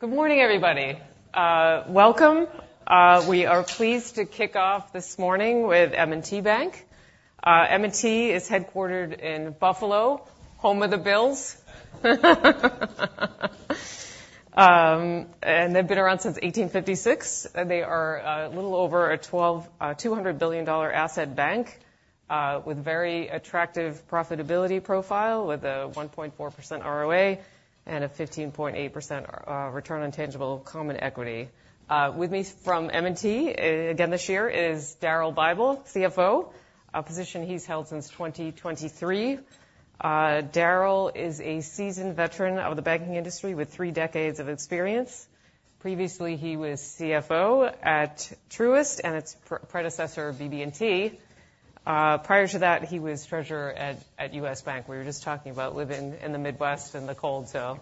Good morning, everybody. Welcome. We are pleased to kick off this morning with M&T Bank. M&T is headquartered in Buffalo, home of the Bills, and they've been around since 1856. They are a little over a $200 billion asset bank, with a very attractive profitability profile with a 1.4% ROA and a 15.8% return on tangible common equity. With me from M&T, again, this year is Daryl Bible, CFO, a position he's held since 2023. Daryl is a seasoned veteran of the banking industry with three decades of experience. Previously, he was CFO at Truist and its predecessor, BB&T. Prior to that, he was treasurer at U.S. Bank. We were just talking about living in the Midwest and the cold, so,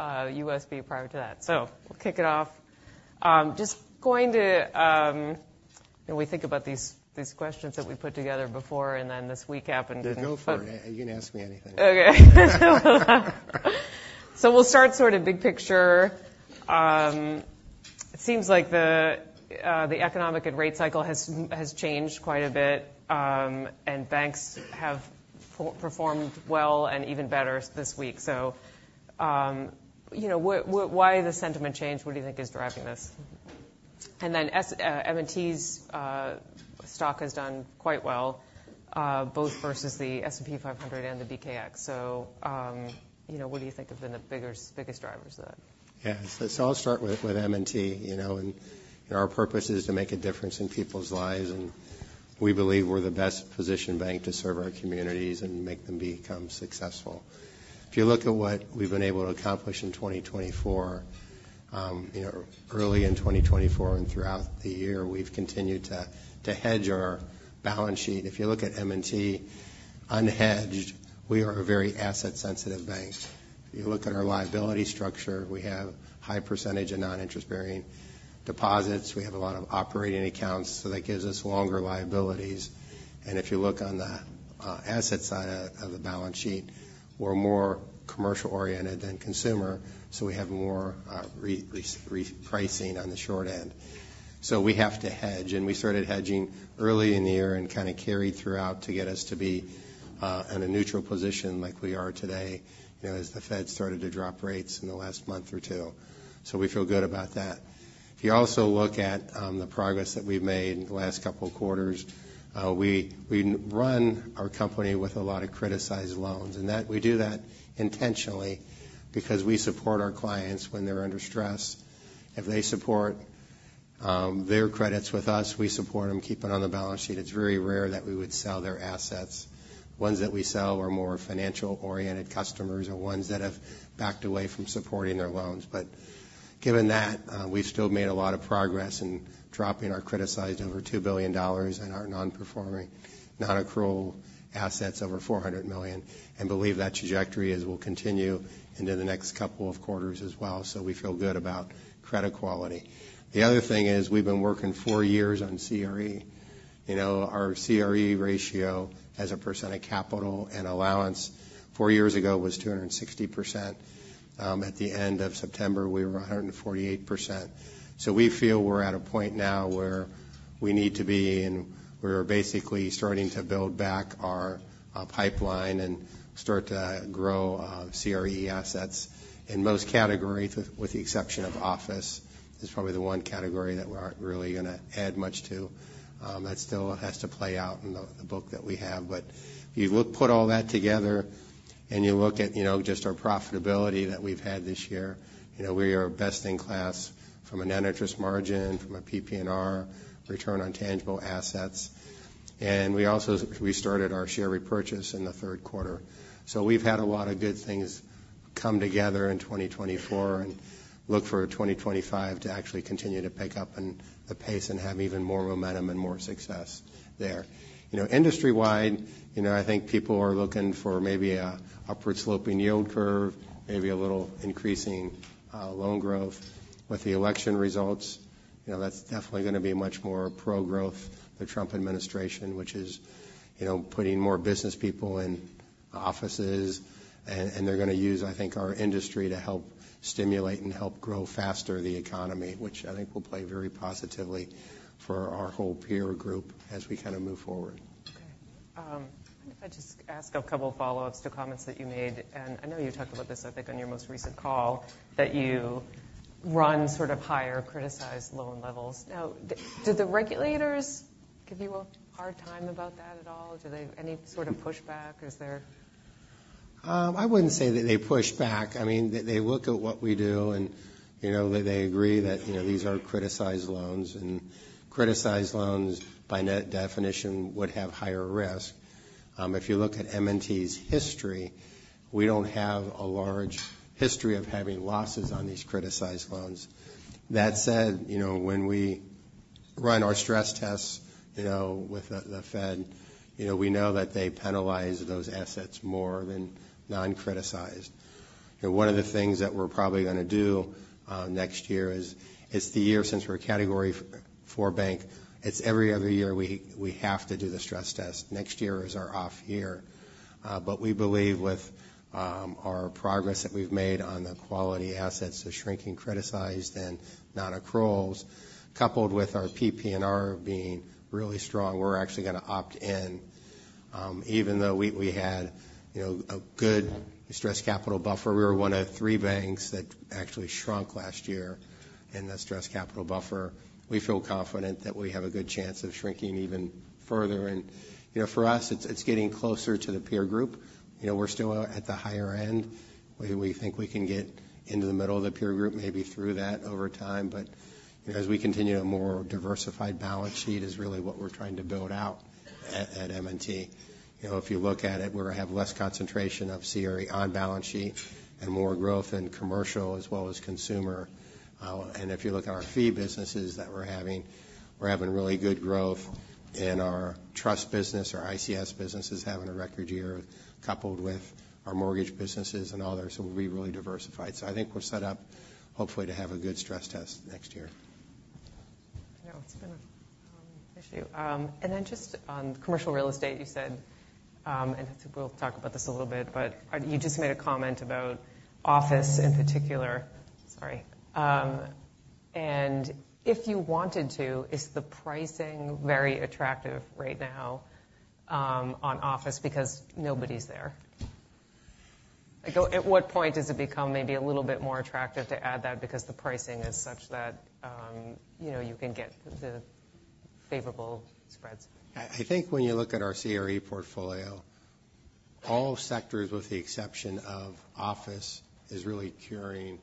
USB prior to that. So we'll kick it off. Just going to, you know, we think about these questions that we put together before, and then this week happened. Just go for it. You can ask me anything. Okay. So we'll start sort of big picture. It seems like the economic and rate cycle has changed quite a bit, and banks have performed well and even better this week. You know, why the sentiment change? What do you think is driving this? And then, as M&T's stock has done quite well, both versus the S&P 500 and the BKX. You know, what do you think have been the biggest drivers of that? Yeah, so I'll start with M&T, you know, and, you know, our purpose is to make a difference in people's lives, and we believe we're the best positioned bank to serve our communities and make them become successful. If you look at what we've been able to accomplish in 2024, you know, early in 2024 and throughout the year, we've continued to hedge our balance sheet. If you look at M&T unhedged, we are a very asset-sensitive bank. If you look at our liability structure, we have high percentage of non-interest-bearing deposits. We have a lot of operating accounts, so that gives us longer liabilities. And if you look on the asset side of the balance sheet, we're more commercial-oriented than consumer, so we have more repricing on the short end. So we have to hedge, and we started hedging early in the year and kind of carried throughout to get us to be in a neutral position like we are today, you know, as the Fed started to drop rates in the last month or two. So we feel good about that. If you also look at the progress that we've made in the last couple of quarters, we run our company with a lot of criticized loans, and that we do that intentionally because we support our clients when they're under stress. If they support their credits with us, we support them keeping on the balance sheet. It's very rare that we would sell their assets. Ones that we sell are more financial-oriented customers or ones that have backed away from supporting their loans. But given that, we've still made a lot of progress in dropping our criticized over $2 billion and our non-performing, non-accrual assets over $400 million, and believe that trajectory will continue into the next couple of quarters as well. So we feel good about credit quality. The other thing is we've been working four years on CRE. You know, our CRE ratio as a percent of capital and allowance four years ago was 260%. At the end of September, we were 148%. So we feel we're at a point now where we need to be, and we're basically starting to build back our pipeline and start to grow CRE assets in most categories with the exception of office. It's probably the one category that we aren't really gonna add much to. That still has to play out in the book that we have. But if you look, put all that together and you look at, you know, just our profitability that we've had this year, you know, we are best in class from a non-interest margin, from a PP&R, return on tangible assets. And we also, we started our share repurchase in the third quarter. So we've had a lot of good things come together in 2024 and look for 2025 to actually continue to pick up in the pace and have even more momentum and more success there. You know, industry-wide, you know, I think people are looking for maybe a upward-sloping yield curve, maybe a little increasing, loan growth with the election results. You know, that's definitely gonna be much more pro-growth, the Trump administration, which is, you know, putting more business people in offices, and they're gonna use, I think, our industry to help stimulate and help grow faster the economy, which I think will play very positively for our whole peer group as we kind of move forward. Okay. If I just ask a couple of follow-ups to comments that you made, and I know you talked about this, I think, on your most recent call, that you run sort of higher criticized loan levels. Now, did the regulators give you a hard time about that at all? Do they have any sort of pushback? Is there? I wouldn't say that they pushed back. I mean, they look at what we do and, you know, they agree that, you know, these are criticized loans, and criticized loans by any definition would have higher risk. If you look at M&T's history, we don't have a large history of having losses on these criticized loans. That said, you know, when we run our stress tests, you know, with the Fed, you know, we know that they penalize those assets more than non-criticized. You know, one of the things that we're probably gonna do next year is, it's the year since we're a Category IV bank. It's every other year we have to do the stress test. Next year is our off year. But we believe with our progress that we've made on the quality assets, the shrinking criticized and non-accruals, coupled with our PP&R being really strong, we're actually gonna opt in. Even though we had, you know, a good stress capital buffer, we were one of three banks that actually shrunk last year in the stress capital buffer. We feel confident that we have a good chance of shrinking even further. And, you know, for us, it's getting closer to the peer group. You know, we're still at the higher end. We think we can get into the middle of the peer group maybe through that over time. But, you know, as we continue to have a more diversified balance sheet is really what we're trying to build out at M&T. You know, if you look at it, we're gonna have less concentration of CRE on balance sheet and more growth in commercial as well as consumer, and if you look at our fee businesses that we're having, we're having really good growth in our trust business, our ICS businesses having a record year, coupled with our mortgage businesses and others, so we'll be really diversified, so I think we're set up hopefully to have a good stress test next year. I know it's been an issue, and then just on commercial real estate, you said, and we'll talk about this a little bit, but you just made a comment about office in particular. Sorry, and if you wanted to, is the pricing very attractive right now on office because nobody's there? Like, at what point does it become maybe a little bit more attractive to add that because the pricing is such that, you know, you can get the favorable spreads? I think when you look at our CRE portfolio, all sectors with the exception of office is really curing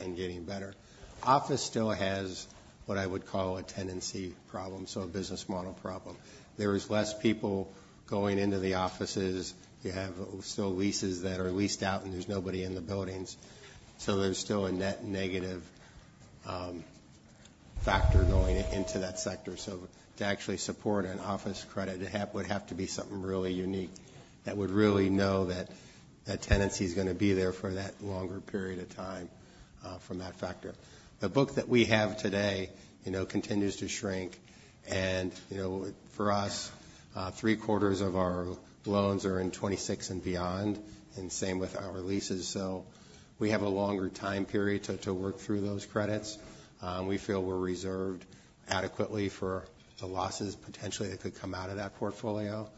and getting better. Office still has what I would call a tenancy problem, so a business model problem. There is less people going into the offices. You have still leases that are leased out and there's nobody in the buildings. So there's still a net negative factor going into that sector. So to actually support an office credit, it would have to be something really unique that would really know that tenancy is gonna be there for that longer period of time, from that factor. The book that we have today, you know, continues to shrink. You know, for us, three quarters of our loans are in 2026 and beyond, and same with our leases. So we have a longer time period to work through those credits. We feel we're reserved adequately for the losses potentially that could come out of that portfolio,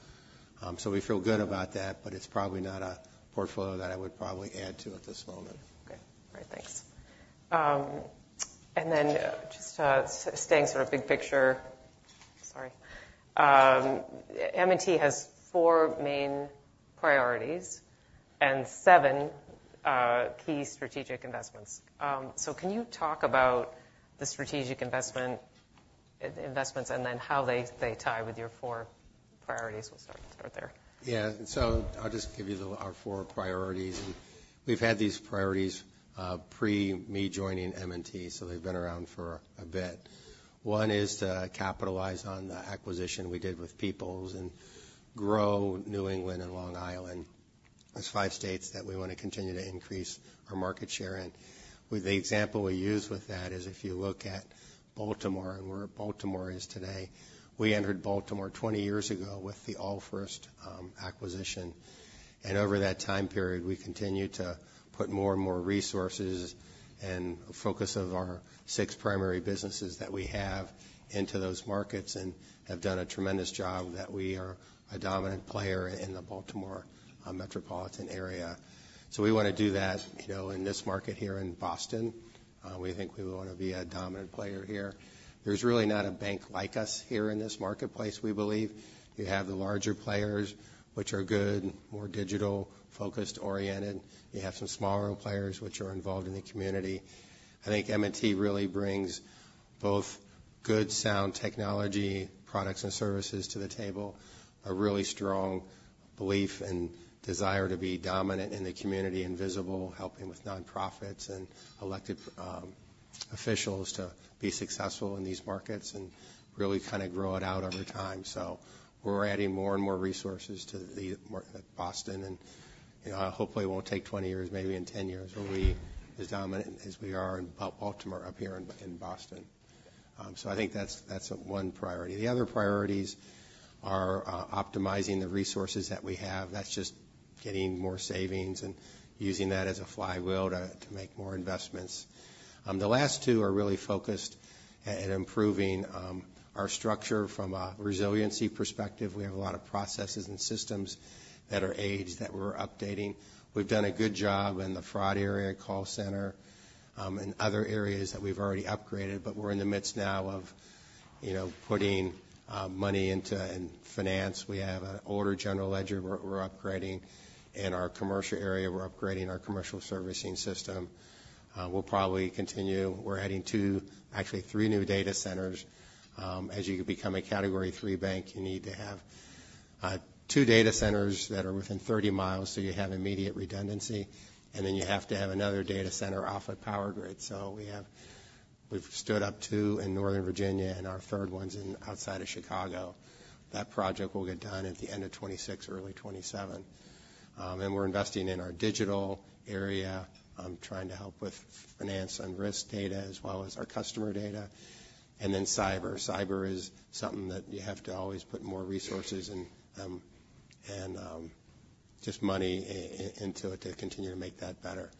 so we feel good about that, but it's probably not a portfolio that I would add to at this moment. Okay. All right. Thanks, and then just, staying sort of big picture, sorry. M&T has four main priorities and seven key strategic investments. So can you talk about the strategic investment, investments and then how they tie with your four priorities? We'll start there. Yeah. So I'll just give you the our four priorities. And we've had these priorities, pre-me joining M&T, so they've been around for a bit. One is to capitalize on the acquisition we did with People's and grow New England and Long Island. There's five states that we wanna continue to increase our market share in. The example we use with that is if you look at Baltimore and where Baltimore is today, we entered Baltimore 20 years ago with the Allfirst acquisition. And over that time period, we continue to put more and more resources and focus of our six primary businesses that we have into those markets and have done a tremendous job that we are a dominant player in the Baltimore metropolitan area. So we wanna do that, you know, in this market here in Boston. We think we wanna be a dominant player here. There's really not a bank like us here in this marketplace. We believe you have the larger players, which are good, more digital-focused, oriented. You have some smaller players which are involved in the community. I think M&T really brings both good, sound technology products and services to the table, a really strong belief and desire to be dominant in the community and visible, helping with nonprofits and elected officials to be successful in these markets and really kind of grow it out over time. So we're adding more and more resources to the Boston and, you know, hopefully it won't take 20 years, maybe in 10 years where we're as dominant as we are in Baltimore up here in Boston. So I think that's one priority. The other priorities are optimizing the resources that we have. That's just getting more savings and using that as a flywheel to make more investments. The last two are really focused at improving our structure from a resiliency perspective. We have a lot of processes and systems that are aged that we're updating. We've done a good job in the fraud area call center, and other areas that we've already upgraded, but we're in the midst now of, you know, putting money into and finance. We have an older general ledger we're upgrading in our commercial area. We're upgrading our commercial servicing system. We'll probably continue. We're adding two, actually three new data centers. As you become a Category III bank, you need to have two data centers that are within 30 miles, so you have immediate redundancy, and then you have to have another data center off a power grid. So we have. We've stood up two in Northern Virginia and our third one's outside of Chicago. That project will get done at the end of 2026, early 2027. We're investing in our digital area, trying to help with finance and risk data as well as our customer data. Then cyber. Cyber is something that you have to always put more resources and just money into it to continue to make that better.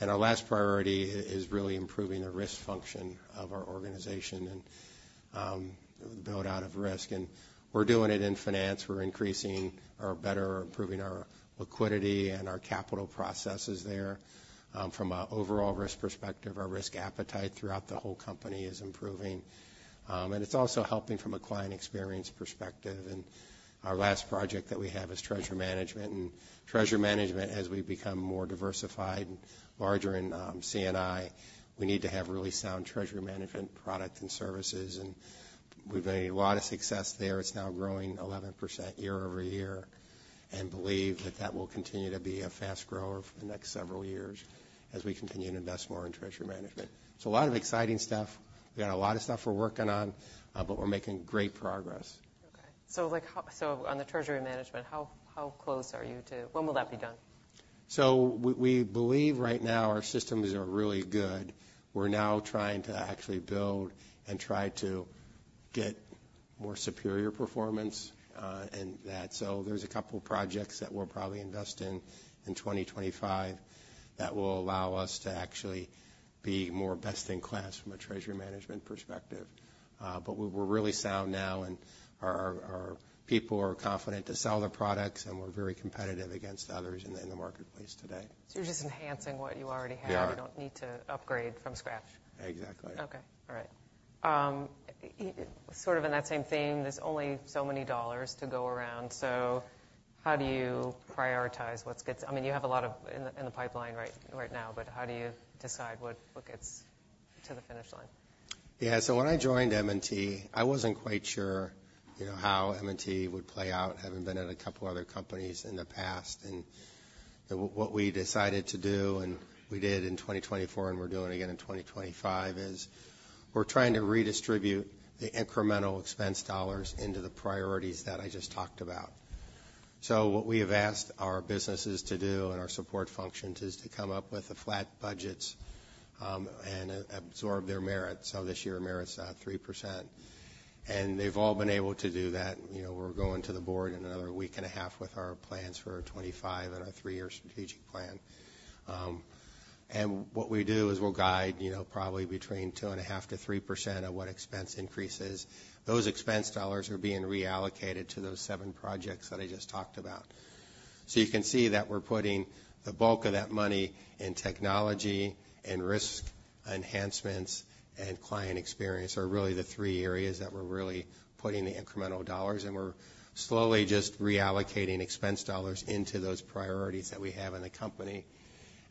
Our last priority is really improving the risk function of our organization and build out of risk. We're doing it in finance. We're increasing or better or improving our liquidity and our capital processes there. From an overall risk perspective, our risk appetite throughout the whole company is improving. It's also helping from a client experience perspective. Our last project that we have is treasury management. Treasury management, as we become more diversified and larger in C&I, we need to have really sound treasury management products and services. We've made a lot of success there. It's now growing 11% year over year and believe that that will continue to be a fast grower for the next several years as we continue to invest more in treasury management. A lot of exciting stuff. We got a lot of stuff we're working on, but we're making great progress. Okay. So like how on the Treasury Management, how close are you to when will that be done? We believe right now our systems are really good. We're now trying to actually build and try to get more superior performance. There's a couple of projects that we'll probably invest in 2025 that will allow us to actually be more best in class from a treasury management perspective. We're really sound now and our people are confident to sell the products and we're very competitive against others in the marketplace today. So you're just enhancing what you already have. Yeah. You don't need to upgrade from scratch. Exactly. Okay. All right. Sort of in that same theme, there's only so many dollars to go around. So how do you prioritize what's gets? I mean, you have a lot of in the pipeline right now, but how do you decide what gets to the finish line? Yeah. So when I joined M&T, I wasn't quite sure, you know, how M&T would play out, having been at a couple other companies in the past. And what we decided to do, and we did in 2024 and we're doing again in 2025, is we're trying to redistribute the incremental expense dollars into the priorities that I just talked about. So what we have asked our businesses to do and our support functions is to come up with the flat budgets, and absorb their merit. So this year, merit's at 3%. And they've all been able to do that. You know, we're going to the board in another week and a half with our plans for 2025 and our three-year strategic plan. And what we do is we'll guide, you know, probably between 2.5%-3% of what expense increases. Those expense dollars are being reallocated to those seven projects that I just talked about. So you can see that we're putting the bulk of that money in technology and risk enhancements and client experience are really the three areas that we're really putting the incremental dollars in. We're slowly just reallocating expense dollars into those priorities that we have in the company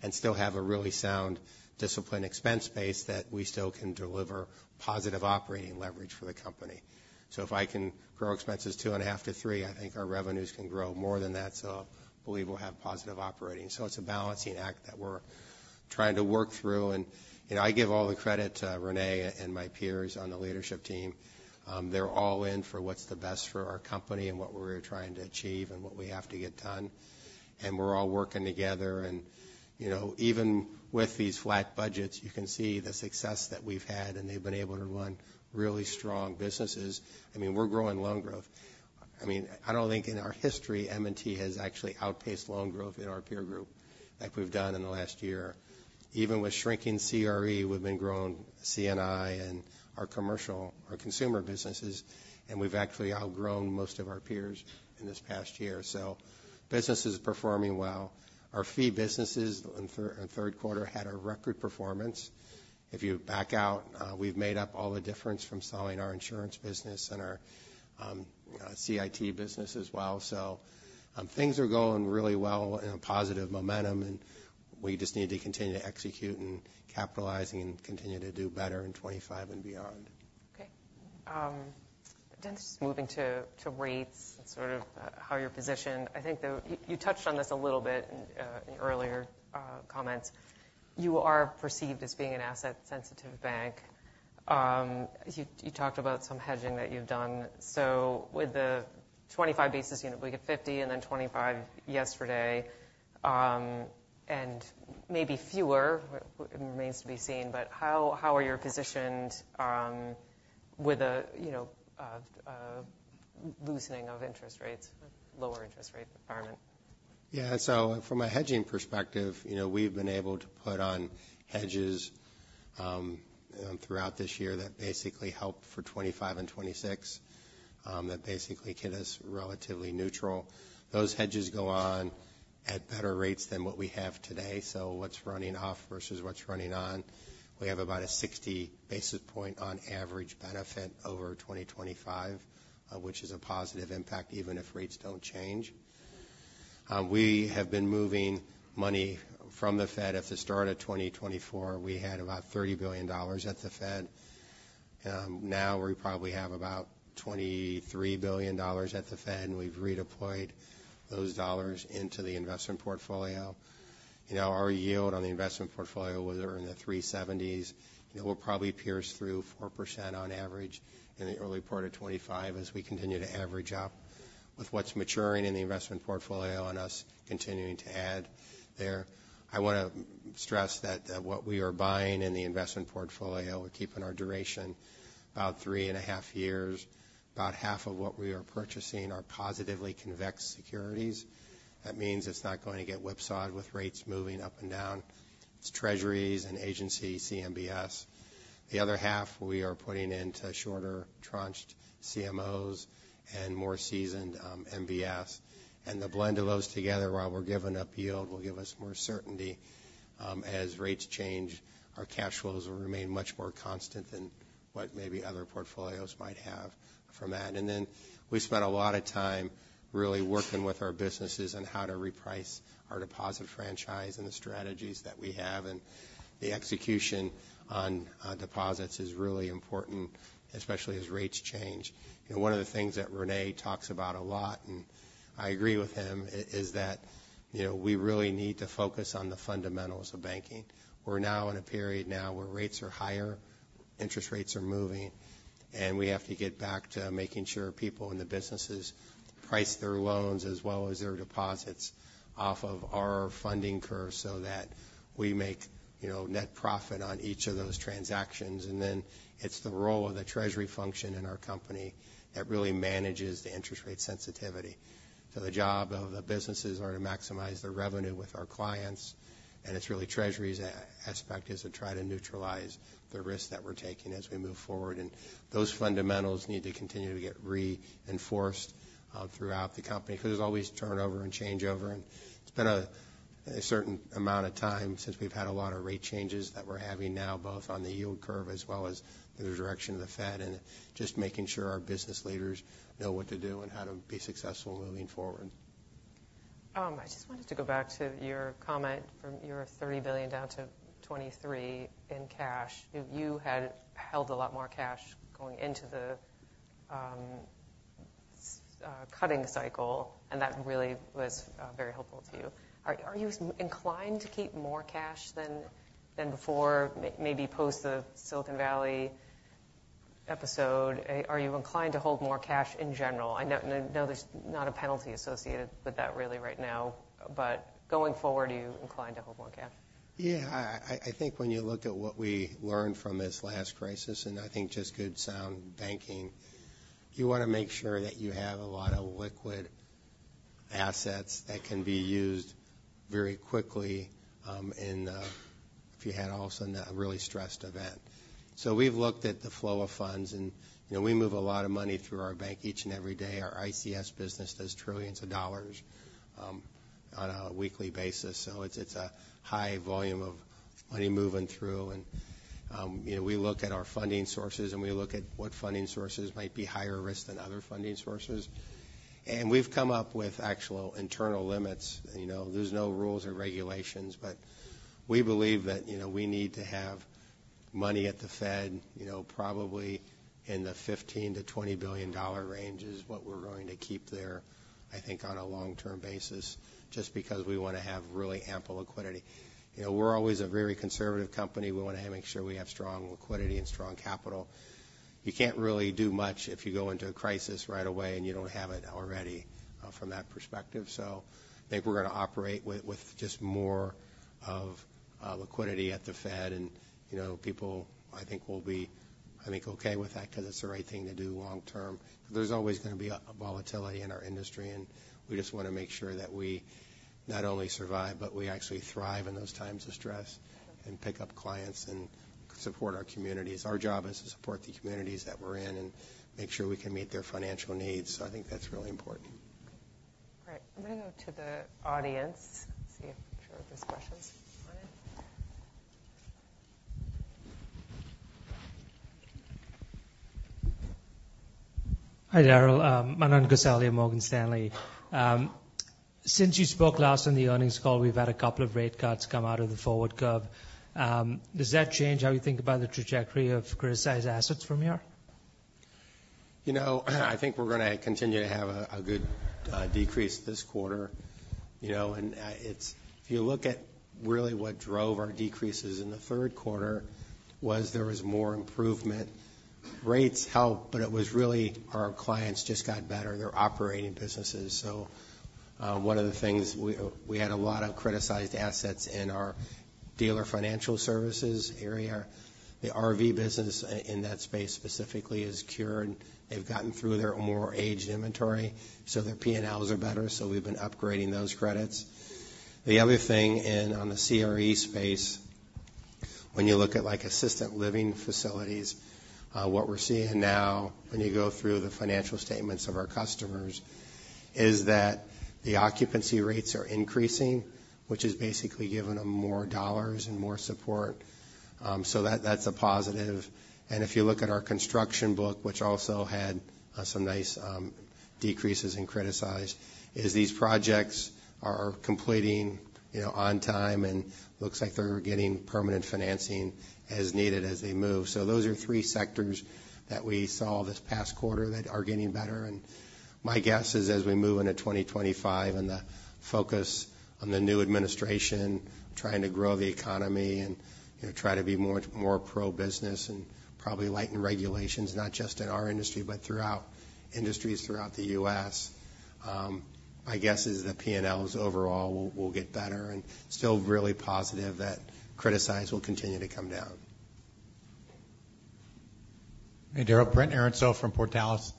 and still have a really sound discipline expense base that we still can deliver positive operating leverage for the company. So if I can grow expenses 2.5-3%, I think our revenues can grow more than that. So I believe we'll have positive operating. So it's a balancing act that we're trying to work through. And, you know, I give all the credit to René and my peers on the leadership team. They're all in for what's the best for our company and what we're trying to achieve and what we have to get done. And we're all working together. And, you know, even with these flat budgets, you can see the success that we've had and they've been able to run really strong businesses. I mean, we're growing loan growth. I mean, I don't think in our history, M&T has actually outpaced loan growth in our peer group like we've done in the last year. Even with shrinking CRE, we've been growing C&I and our commercial, our consumer businesses, and we've actually outgrown most of our peers in this past year. So business is performing well. Our fee businesses in third quarter had a record performance. If you back out, we've made up all the difference from selling our insurance business and our CIT business as well. Things are going really well in a positive momentum, and we just need to continue to execute and capitalize and continue to do better in 2025 and beyond. Okay. Then just moving to rates and sort of how you're positioned. I think that you touched on this a little bit in earlier comments. You are perceived as being an asset-sensitive bank. You talked about some hedging that you've done. So with the 25 basis points, we get 50 and then 25 yesterday, and maybe fewer. It remains to be seen. But how are you positioned with a you know loosening of interest rates, lower interest rate environment? Yeah. So from a hedging perspective, you know, we've been able to put on hedges throughout this year that basically help for 2025 and 2026, that basically get us relatively neutral. Those hedges go on at better rates than what we have today. So what's running off versus what's running on. We have about a 60 basis point on average benefit over 2025, which is a positive impact even if rates don't change. We have been moving money from the Fed. At the start of 2024, we had about $30 billion at the Fed. Now we probably have about $23 billion at the Fed, and we've redeployed those dollars into the investment portfolio. You know, our yield on the investment portfolio was in the 370s. You know, we'll probably pierce through 4% on average in the early part of 2025 as we continue to average up with what's maturing in the investment portfolio and us continuing to add there. I wanna stress that what we are buying in the investment portfolio, we're keeping our duration about three and a half years. About half of what we are purchasing are positively convex securities. That means it's not going to get whipsawed with rates moving up and down. It's treasuries and agency CMBS. The other half we are putting into shorter tranched CMOs and more seasoned MBS. And the blend of those together while we're giving up yield will give us more certainty. As rates change, our cash flows will remain much more constant than what maybe other portfolios might have from that. And then we spent a lot of time really working with our businesses on how to reprice our deposit franchise and the strategies that we have. And the execution on deposits is really important, especially as rates change. You know, one of the things that Rene talks about a lot, and I agree with him, is that, you know, we really need to focus on the fundamentals of banking. We're now in a period where rates are higher, interest rates are moving, and we have to get back to making sure people in the businesses price their loans as well as their deposits off of our funding curve so that we make, you know, net profit on each of those transactions. And then it's the role of the treasury function in our company that really manages the interest rate sensitivity. The job of the businesses are to maximize the revenue with our clients. It's really treasury's aspect is to try to neutralize the risk that we're taking as we move forward. Those fundamentals need to continue to get reinforced throughout the company because there's always turnover and changeover. It's been a certain amount of time since we've had a lot of rate changes that we're having now, both on the yield curve as well as the direction of the Fed, and just making sure our business leaders know what to do and how to be successful moving forward. I just wanted to go back to your comment from your $30 billion down to $23 billion in cash. You had held a lot more cash going into the cutting cycle, and that really was very helpful to you. Are you inclined to keep more cash than before? Maybe post the Silicon Valley episode, are you inclined to hold more cash in general? I know there's not a penalty associated with that really right now, but going forward, are you inclined to hold more cash? Yeah. I think when you look at what we learned from this last crisis, and I think just good sound banking, you wanna make sure that you have a lot of liquid assets that can be used very quickly, in if you had also a really stressed event. So we've looked at the flow of funds, and you know, we move a lot of money through our bank each and every day. Our ICS business does trillions of dollars on a weekly basis. So it's a high volume of money moving through. And you know, we look at our funding sources, and we look at what funding sources might be higher risk than other funding sources. And we've come up with actual internal limits. You know, there's no rules or regulations, but we believe that, you know, we need to have money at the Fed, you know, probably in the $15 billion-$20 billion range is what we're going to keep there, I think, on a long-term basis just because we wanna have really ample liquidity. You know, we're always a very conservative company. We wanna make sure we have strong liquidity and strong capital. You can't really do much if you go into a crisis right away and you don't have it already, from that perspective. So I think we're gonna operate with just more liquidity at the Fed, and you know, people, I think, will be, I think, okay with that 'cause it's the right thing to do long-term. There's always gonna be a volatility in our industry, and we just wanna make sure that we not only survive, but we actually thrive in those times of stress and pick up clients and support our communities. Our job is to support the communities that we're in and make sure we can meet their financial needs, so I think that's really important. All right. I'm gonna go to the audience, see if there are questions on it. Hi, Daryl. My name's Manan Gosalia, Morgan Stanley. Since you spoke last on the earnings call, we've had a couple of rate cuts come out of the forward curve. Does that change how you think about the trajectory of criticized assets from here? You know, I think we're gonna continue to have a good decrease this quarter. You know, and it's if you look at really what drove our decreases in the third quarter was there was more improvement. Rates help, but it was really our clients just got better. They're operating businesses. So one of the things we had a lot of criticized assets in our dealer financial services area. The RV business in that space specifically is cured. They've gotten through their more aged inventory, so their P&Ls are better. So we've been upgrading those credits. The other thing in the CRE space, when you look at like assisted living facilities, what we're seeing now when you go through the financial statements of our customers is that the occupancy rates are increasing, which has basically given them more dollars and more support. So that's a positive. And if you look at our construction book, which also had some nice decreases and criticized as these projects are completing, you know, on time, and looks like they're getting permanent financing as needed as they move. So those are three sectors that we saw this past quarter that are getting better. And my guess is as we move into 2025 and the focus on the new administration, trying to grow the economy and, you know, try to be more, more pro-business and probably lighten regulations, not just in our industry, but throughout industries throughout the U.S., my guess is the P&Ls overall will, will get better. And I'm still really positive that criticized will continue to come down. Hey, Daryl, Brent Erensel from Portales.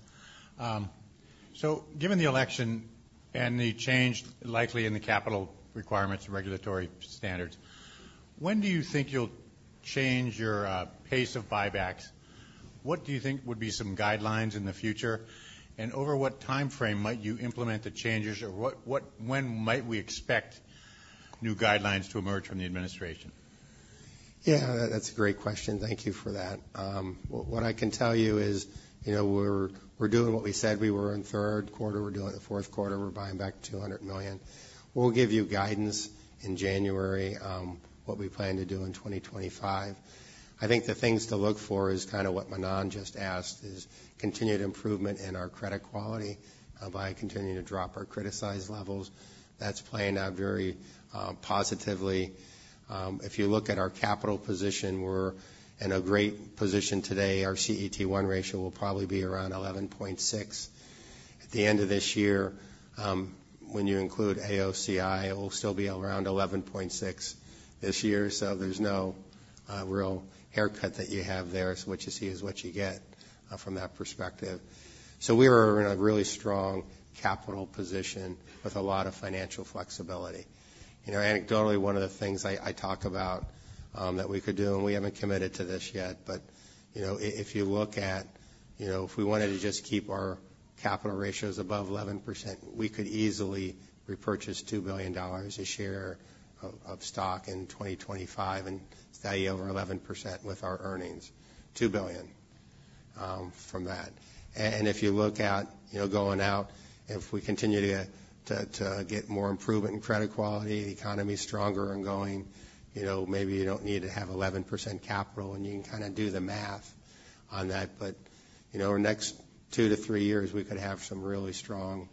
So given the election and the change likely in the capital requirements and regulatory standards, when do you think you'll change your pace of buybacks? What do you think would be some guidelines in the future? And over what timeframe might you implement the changes, or what, when might we expect new guidelines to emerge from the administration? Yeah, that's a great question. Thank you for that. What I can tell you is, you know, we're doing what we said we were in third quarter. We're doing it in fourth quarter. We're buying back $200 million. We'll give you guidance in January, what we plan to do in 2025. I think the things to look for is kind of what Manan just asked is continued improvement in our credit quality, by continuing to drop our criticized levels. That's playing out very positively. If you look at our capital position, we're in a great position today. Our CET1 ratio will probably be around 11.6% at the end of this year. When you include AOCI, it'll still be around 11.6% this year. So there's no real haircut that you have there. It's what you see is what you get, from that perspective. So we are in a really strong capital position with a lot of financial flexibility. You know, anecdotally, one of the things I talk about, that we could do, and we haven't committed to this yet, but, you know, if you look at, you know, if we wanted to just keep our capital ratios above 11%, we could easily repurchase $2 billion a share of stock in 2025 and stay over 11% with our earnings from that. And if you look at, you know, going out, if we continue to get more improvement in credit quality, the economy's stronger and going, you know, maybe you don't need to have 11% capital, and you can kind of do the math on that. But, you know, next two to three years, we could have some really strong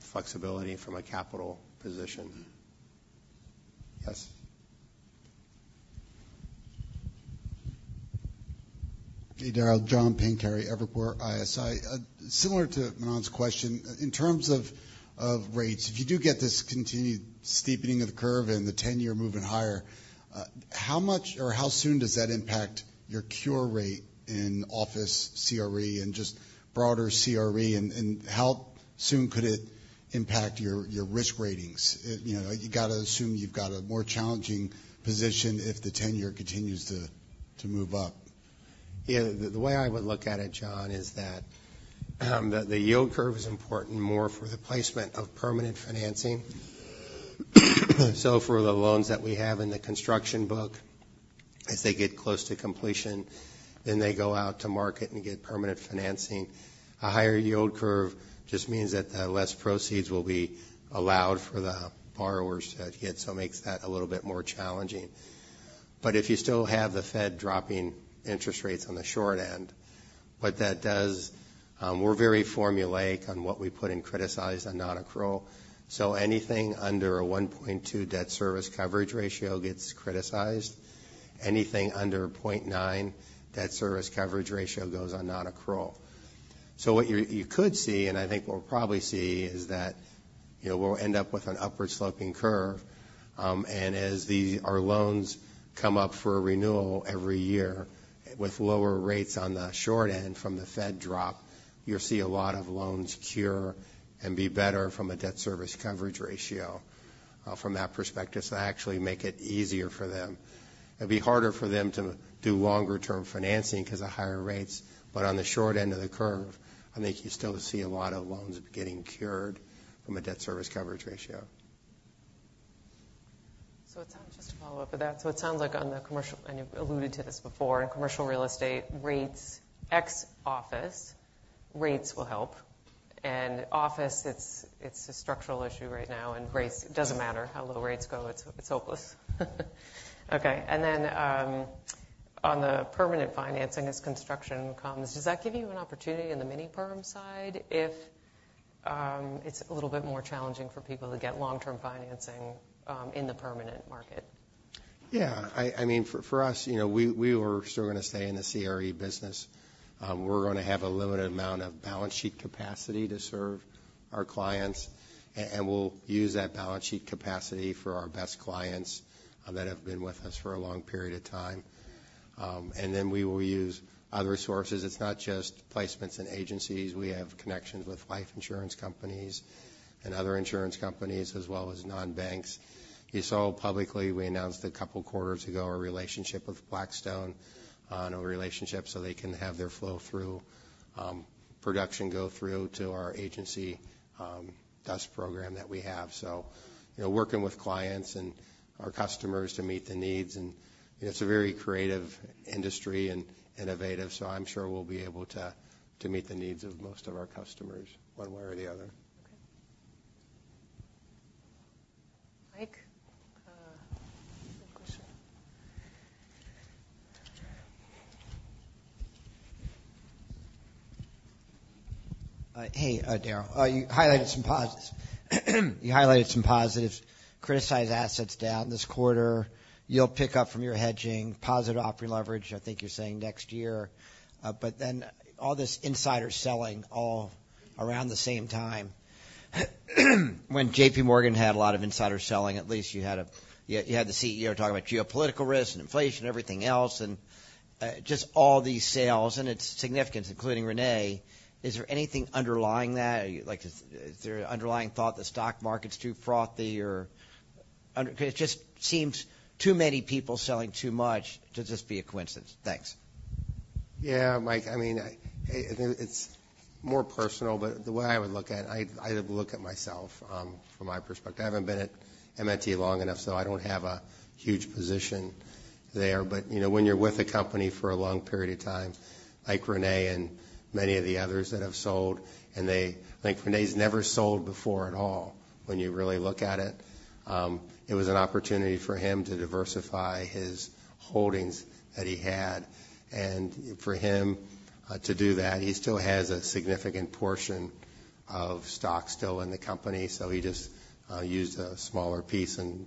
flexibility from a capital position. Yes. Hey, Daryl, John Pancari, Evercore ISI. Similar to Manan's question, in terms of rates, if you do get this continued steepening of the curve and the 10-year moving higher, how much or how soon does that impact your cure rate in office, CRE, and just broader CRE, and how soon could it impact your risk ratings? You know, you gotta assume you've got a more challenging position if the 10-year continues to move up. Yeah. The way I would look at it, John, is that the yield curve is important more for the placement of permanent financing. So for the loans that we have in the construction book, as they get close to completion, then they go out to market and get permanent financing. A higher yield curve just means that the less proceeds will be allowed for the borrowers to get. So it makes that a little bit more challenging. But if you still have the Fed dropping interest rates on the short end, what that does, we're very formulaic on what we put in criticized and non-accrual. So anything under a 1.2 debt service coverage ratio gets criticized. Anything under 0.9 debt service coverage ratio goes on non-accrual. So what you could see, and I think we'll probably see, is that, you know, we'll end up with an upward-sloping curve. And as these our loans come up for renewal every year with lower rates on the short end from the Fed drop, you'll see a lot of loans cure and be better from a debt service coverage ratio, from that perspective. So that actually makes it easier for them. It'd be harder for them to do longer-term financing 'cause of higher rates. But on the short end of the curve, I think you still see a lot of loans getting cured from a debt service coverage ratio. So it sounds just to follow up with that. So it sounds like on the commercial, and you've alluded to this before, in commercial real estate, rates ex-office rates will help. And office, it's a structural issue right now, and rates doesn't matter how low rates go. It's hopeless. Okay. And then, on the permanent financing as construction comes, does that give you an opportunity in the mini-perm side if it's a little bit more challenging for people to get long-term financing in the permanent market? Yeah. I mean, for us, you know, we were still gonna stay in the CRE business. We're gonna have a limited amount of balance sheet capacity to serve our clients, and we'll use that balance sheet capacity for our best clients that have been with us for a long period of time. Then we will use other sources. It's not just placements and agencies. We have connections with life insurance companies and other insurance companies as well as non-banks. You saw publicly we announced a couple quarters ago our relationship with Blackstone, our relationship so they can have their flow through production go through to our agency DUS program that we have. So, you know, working with clients and our customers to meet the needs. You know, it's a very creative industry and innovative. I'm sure we'll be able to to meet the needs of most of our customers one way or the other. Okay. Mike, question. Hey, Daryl, you highlighted some positives. Criticized assets down this quarter. Yield pickup from your hedging. Positive operating leverage, I think you're saying next year. But then all this insider selling all around the same time when JP Morgan had a lot of insider selling, at least you had the CEO talking about geopolitical risk and inflation and everything else and just all these sales and its significance, including René. Is there anything underlying that? Are you like, is there an underlying thought the stock market's too frothy or under? 'Cause it just seems too many people selling too much to just be a coincidence. Thanks. Yeah, Mike. I mean, I think it's more personal, but the way I would look at it, I, I look at myself, from my perspective. I haven't been at M&T long enough, so I don't have a huge position there. But, you know, when you're with a company for a long period of time, like René and many of the others that have sold, and they I think René's never sold before at all when you really look at it. It was an opportunity for him to diversify his holdings that he had. And for him, to do that, he still has a significant portion of stock still in the company. So he just, used a smaller piece and,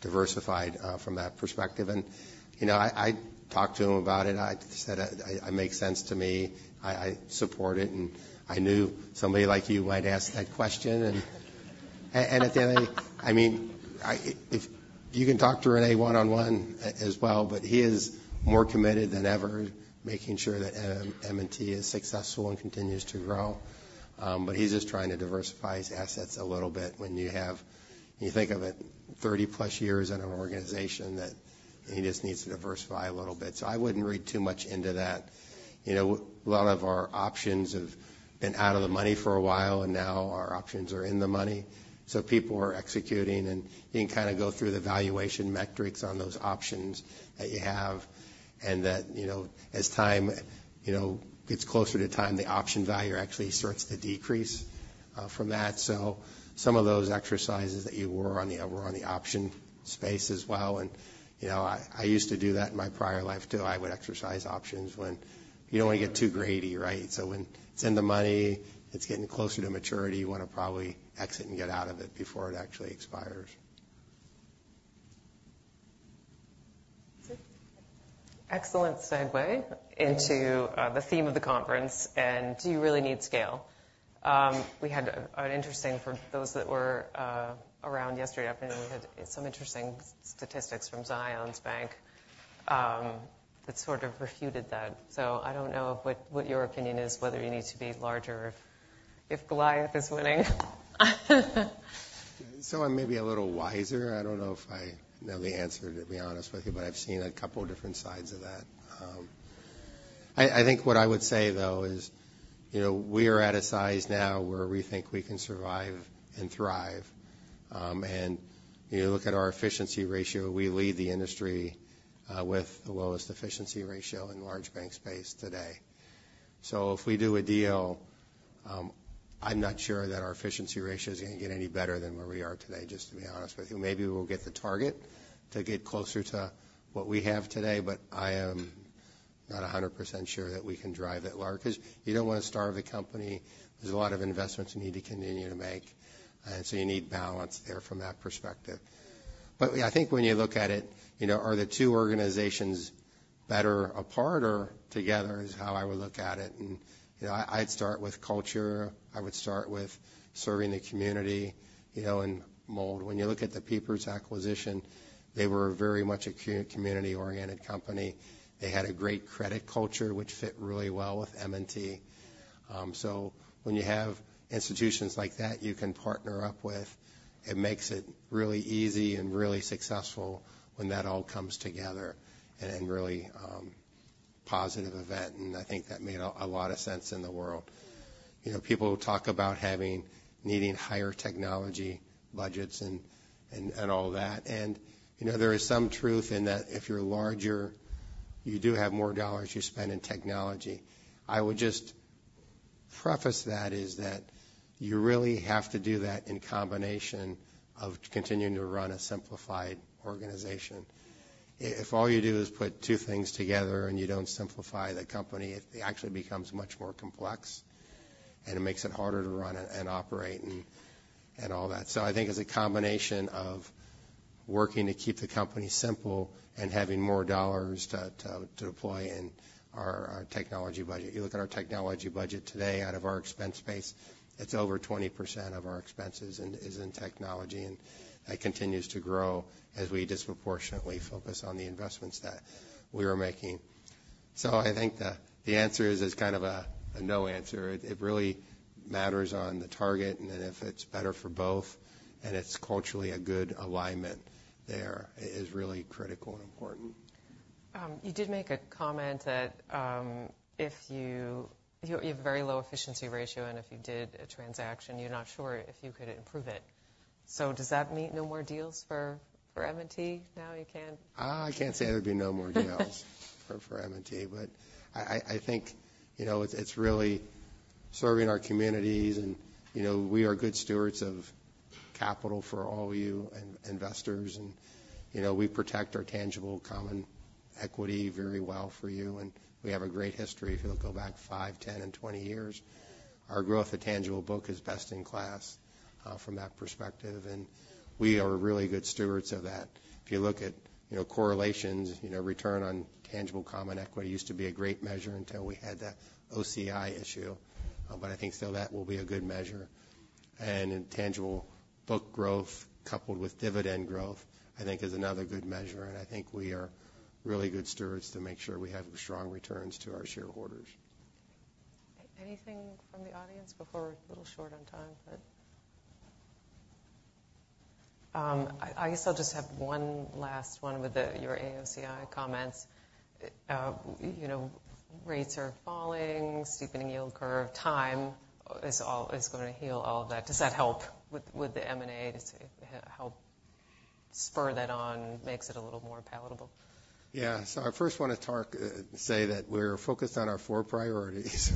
diversified, from that perspective. And, you know, I, I talked to him about it. I said, I, I make sense to me. I, I support it. And I knew somebody like you might ask that question. And at the end, I mean, if you can talk to René one-on-one as well, but he is more committed than ever making sure that M&T is successful and continues to grow. But he's just trying to diversify his assets a little bit when you have, you think of it, 30-plus years in an organization that he just needs to diversify a little bit. So I wouldn't read too much into that. You know, a lot of our options have been out of the money for a while, and now our options are in the money. So people are executing, and you can kind of go through the valuation metrics on those options that you have and that, you know, as time, you know, gets closer to time, the option value actually starts to decrease from that. So some of those exercises that you were on, you know, were on the option space as well. And, you know, I, I used to do that in my prior life too. I would exercise options when you don't wanna get too greedy, right? So when it's in the money, it's getting closer to maturity, you wanna probably exit and get out of it before it actually expires. Excellent segue into the theme of the conference and do you really need scale? We had an interesting for those that were around yesterday afternoon. We had some interesting statistics from Zions Bank that sort of refuted that. So I don't know what your opinion is, whether you need to be larger if Goliath is winning. So I'm maybe a little wiser. I don't know if I know the answer, to be honest with you, but I've seen a couple different sides of that. I think what I would say though is, you know, we are at a size now where we think we can survive and thrive, and you look at our efficiency ratio, we lead the industry, with the lowest efficiency ratio in large bank space today. So if we do a deal, I'm not sure that our efficiency ratio is gonna get any better than where we are today, just to be honest with you. Maybe we'll get the target to get closer to what we have today, but I am not 100% sure that we can drive it large. 'Cause you don't wanna starve the company. There's a lot of investments you need to continue to make. And so you need balance there from that perspective. But I think when you look at it, you know, are the two organizations better apart or together is how I would look at it. And, you know, I, I'd start with culture. I would start with serving the community, you know, and more. When you look at the People's acquisition, they were very much a community-oriented company. They had a great credit culture, which fit really well with M&T. So when you have institutions like that you can partner up with, it makes it really easy and really successful when that all comes together and, and really, positive event. And I think that made a, a lot of sense in the world. You know, people talk about needing higher technology budgets and, and, and all that. You know, there is some truth in that if you're larger, you do have more dollars you spend in technology. I would just preface that is that you really have to do that in combination of continuing to run a simplified organization. If all you do is put two things together and you don't simplify the company, it actually becomes much more complex and it makes it harder to run and operate and all that. So I think it's a combination of working to keep the company simple and having more dollars to deploy in our technology budget. You look at our technology budget today out of our expense space, it's over 20% of our expenses and is in technology. And that continues to grow as we disproportionately focus on the investments that we are making. So I think the answer is kind of a no answer. It really matters on the target. And then if it's better for both and it's culturally a good alignment there, it is really critical and important. You did make a comment that, if you have a very low efficiency ratio and if you did a transaction, you're not sure if you could improve it. So does that mean no more deals for M&T now? You can't? I can't say there'd be no more deals for M&T, but I think, you know, it's really serving our communities. And, you know, we are good stewards of capital for all you and investors. And, you know, we protect our tangible common equity very well for you. And we have a great history if you'll go back five, 10, and 20 years. Our growth of tangible book is best in class, from that perspective. And we are really good stewards of that. If you look at, you know, correlations, you know, return on tangible common equity used to be a great measure until we had that OCI issue. But I think still that will be a good measure. And in tangible book growth coupled with dividend growth, I think is another good measure. I think we are really good stewards to make sure we have strong returns to our shareholders. Anything from the audience before we're a little short on time? But I guess I'll just have one last one with your AOCI comments. You know, rates are falling, steepening yield curve, time is all, is gonna heal all of that. Does that help with the M&A to see if it help spur that on, makes it a little more palatable? Yeah. So I first wanna talk, say that we're focused on our four priorities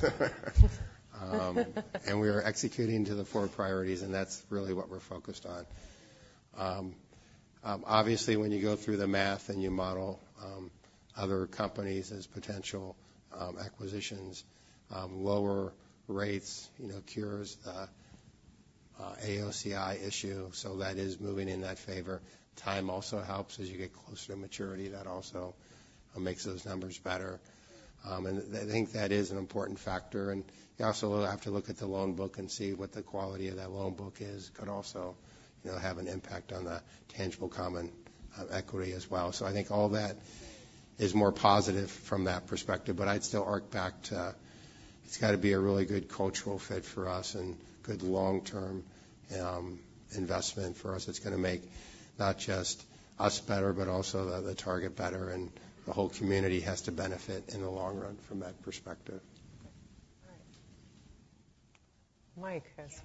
and we are executing to the four priorities, and that's really what we're focused on. Obviously when you go through the math and you model other companies as potential acquisitions, lower rates, you know, cure the AOCI issue. So that is moving in that favor. Time also helps as you get closer to maturity. That also makes those numbers better, and I think that is an important factor. You also have to look at the loan book and see what the quality of that loan book is could also, you know, have an impact on the tangible common equity as well. So I think all that is more positive from that perspective. I'd still arc back to it's gotta be a really good cultural fit for us and good long-term investment for us. It's gonna make not just us better, but also the target better. And the whole community has to benefit in the long run from that perspective. All right. Mike has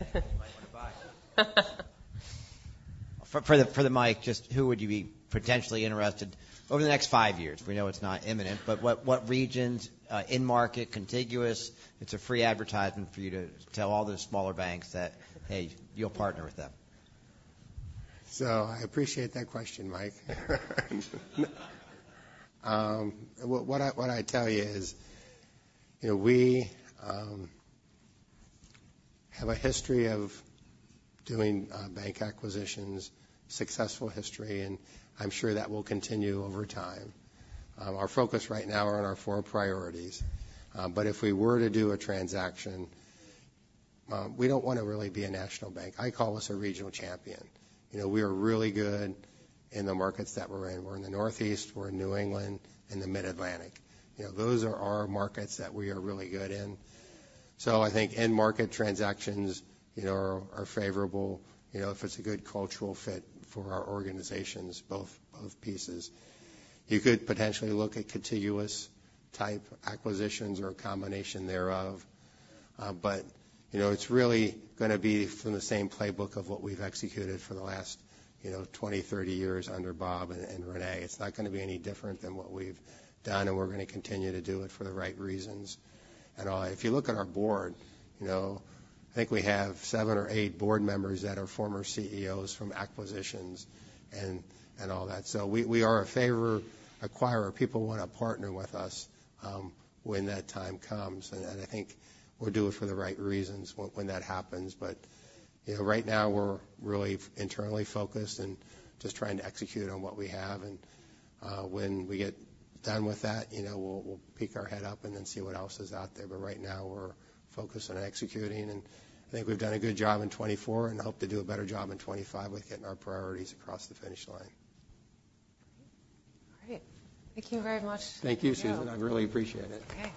a question. What kind of regions, type of banks? I mean, you know, you're saying you might buy at some point. You're free advertisement, you might wanna buy it. For the M&A, just who would you be potentially interested over the next five years? We know it's not imminent, but what regions, in market contiguous? It's a free advertisement for you to tell all the smaller banks that, hey, you'll partner with them. So I appreciate that question, Mike. What I tell you is, you know, we have a history of doing bank acquisitions, successful history, and I'm sure that will continue over time. Our focus right now are on our four priorities. But if we were to do a transaction, we don't wanna really be a national bank. I call us a regional champion. You know, we are really good in the markets that we're in. We're in the Northeast, we're in New England, and the Mid-Atlantic. You know, those are our markets that we are really good in. So I think in market transactions, you know, are favorable, you know, if it's a good cultural fit for our organizations, both pieces. You could potentially look at contiguous type acquisitions or a combination thereof. But, you know, it's really gonna be from the same playbook of what we've executed for the last, you know, 20, 30 years under Bob and Rene. It's not gonna be any different than what we've done, and we're gonna continue to do it for the right reasons and all. If you look at our board, you know, I think we have seven or eight board members that are former CEOs from acquisitions and all that, so we are a favored acquirer. People wanna partner with us when that time comes, and I think we'll do it for the right reasons when that happens, but you know, right now we're really internally focused and just trying to execute on what we have, and when we get done with that, you know, we'll peek our head up and then see what else is out there. But right now we're focused on executing. And I think we've done a good job in 2024 and hope to do a better job in 2025 with getting our priorities across the finish line. All right. Thank you very much. Thank you, Susan. I really appreciate it. Okay.